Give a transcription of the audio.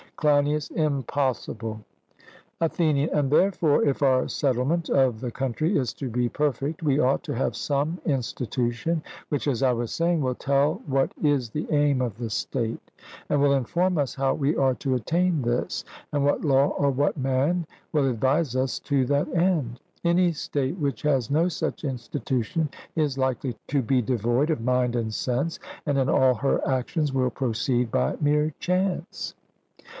CLEINIAS: Impossible. ATHENIAN: And therefore, if our settlement of the country is to be perfect, we ought to have some institution, which, as I was saying, will tell what is the aim of the state, and will inform us how we are to attain this, and what law or what man will advise us to that end. Any state which has no such institution is likely to be devoid of mind and sense, and in all her actions will proceed by mere chance.